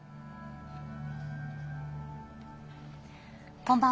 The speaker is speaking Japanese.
こんばんは。